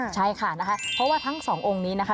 ใช่ค่ะนะคะเพราะว่าทั้งสององค์นี้นะคะ